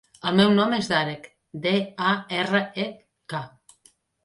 El meu nom és Darek: de, a, erra, e, ca.